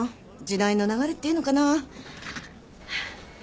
時代の流れっていうのかな？